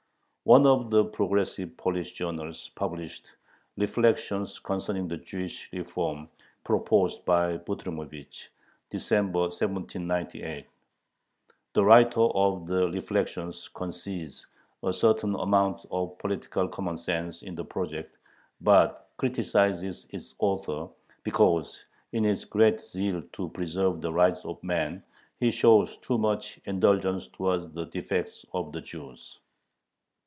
One of the progressive Polish journals published "Reflections Concerning the Jewish Reform Proposed by Butrymovich" (December, 1798). The writer of the "Reflections" concedes a certain amount of "political common sense" in the project, but criticizes its author, because, "in his great zeal to preserve the rights of man, he shows too much indulgence towards the defects of the Jews."